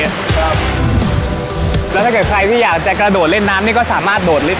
แล้วถ้าเกิดใครที่อยากจะกระโดดเล่นน้ำนี่ก็สามารถโดดลิฟท